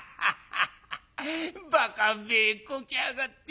バカべえこきやがってまあ。